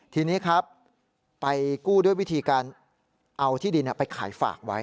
ทีนี้ครับไปกู้ด้วยวิธีการเอาที่ดินไปขายฝากไว้